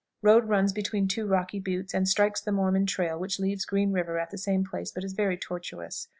Road runs between two rocky buttes, and strikes the Mormon trail, which leaves Green River at the same place, but is very tortuous.